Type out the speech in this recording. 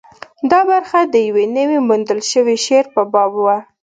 دا برخه د یوه نوي موندل شوي شعر په باب وه.